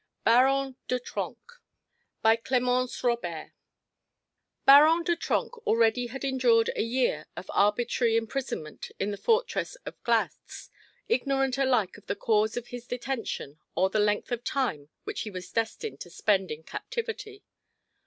BARON DE TRENCK BY CLEMENCE ROBERT Baron de Trenck already had endured a year of arbitrary imprisonment in the fortress of Glatz, ignorant alike of the cause of his detention or the length of time which he was destined to spend in captivity.